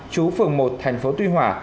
chú phường một thành phố tuy hòa